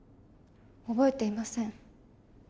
覚えていません。